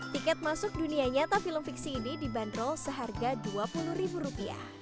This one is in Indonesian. tiket masuk dunia nyata film fiksi ini dibanderol seharga rp dua puluh